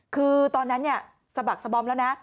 คือตอนนั้นเนี่ยสะบักสะบอมแล้วนะ